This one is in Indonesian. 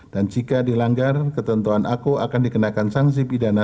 dan jika dilanggar ketentuan aku akan dikenakan sanksi pidana